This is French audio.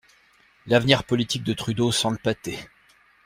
L'avenir politique de Trudeau sent le pâté.